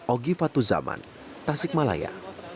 ogi fatu zaman tasikmalaya